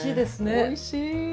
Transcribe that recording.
おいしい！